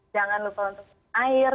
jangan lupa untuk air